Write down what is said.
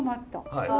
はい。